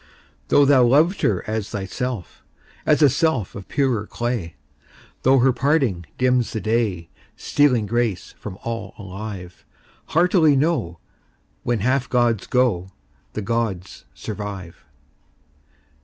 Though thou loved her as thyself, As a self of purer clay, Though her parting dims the day, Stealing grace from all alive; Heartily know, When half gods go, The gods survive.